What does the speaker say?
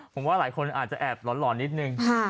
ผมว่าหลายคนอาจจะแอบหล่อนนิดนึง